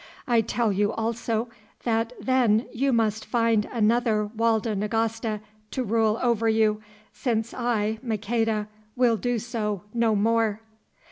I tell you also, that then you must find another Walda Nagasta to rule over you, since I, Maqueda, will do so no more."